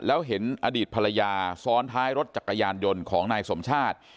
แล้วเห็นอดีตภรรยาซ้อนท้ายรถจักรยานยนต์ของนายสมชาติ